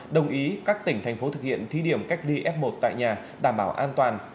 đồng ý các tỉnh thành phố thực hiện thí điểm cách ly f một tại nhà đảm bảo an toàn